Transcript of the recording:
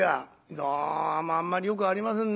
「どうもあんまりよくありませんな」。